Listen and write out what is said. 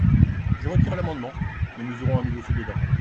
Je retire l’amendement, mais nous aurons à nouveau ce débat.